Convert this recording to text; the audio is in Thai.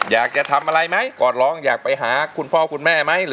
อยากจะทำอะไรไหมกอดร้องอยากไปหาคุณพ่อคุณแม่ไหม